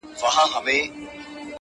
که هر څو مي درته ډېري زارۍ وکړې,